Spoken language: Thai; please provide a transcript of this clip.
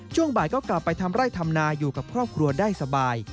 ช่วงบ่ายก็กลับไปทำไร่ทำนาอยู่กับครอบครัวได้สบาย